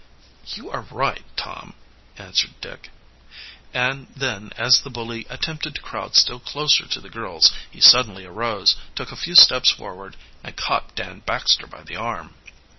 "You are right, Tom," answered Dick, and then as the bully attempted to crowd still closer to the girls he suddenly arose, took a few steps forward, and caught Dan Baxter by the arm.